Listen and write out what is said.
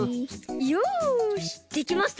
よしできました！